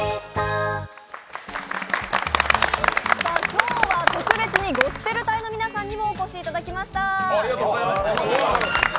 今日は特別にゴスペル隊の皆さんにもお越しいただきました。